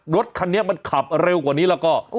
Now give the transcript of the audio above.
รถคันนี้มันขับเร็วกว่านี้แล้วก็